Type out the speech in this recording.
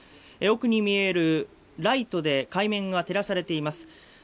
奥に見えるライトで海面が照らされています